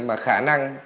mà khả năng